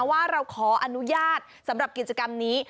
ว่าเราขออนุญาตสำหรับกิจกรรมนี้